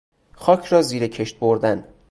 خاک را زیر کشت بردن